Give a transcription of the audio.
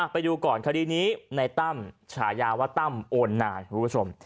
ไปดูก่อนคดีนี้ในตั้มฉายาว่าตั้มโอนนานคุณผู้ชม